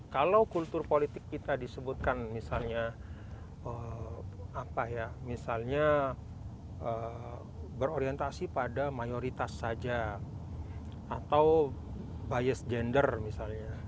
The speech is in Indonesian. kalau kultur politik kita disebutkan misalnya berorientasi pada mayoritas saja atau bias gender misalnya